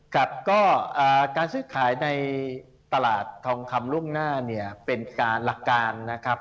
การซื้อขายในตลาดทองคำล่วงหน้าเป็นการณ์หลักการ